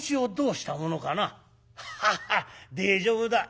「ハハハッ大丈夫だ。